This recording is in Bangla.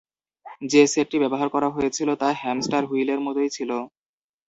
যে সেটটি ব্যবহার করা হয়েছিল তা হ্যামস্টার হুইলের মতই ছিল।